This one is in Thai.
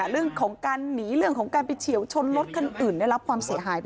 เรื่องของการหนีเรื่องของการไปเฉียวชนรถคันอื่นได้รับความเสียหายไป